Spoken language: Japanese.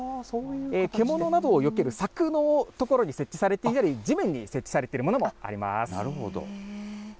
獣などをよける柵の所に設置されていたり、地面に設置されているなるほど。